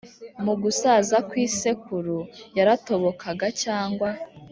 mu gusaza kw’isekuru yaratobokaga cyangwa